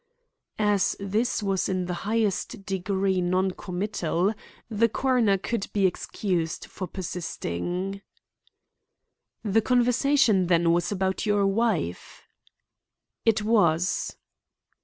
As this was in the highest degree non committal, the coroner could be excused for persisting. "The conversation, then, was about your wife?" "It was."